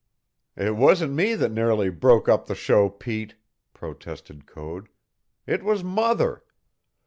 "It wasn't me that nearly broke up the show, Pete," protested Code. "It was mother.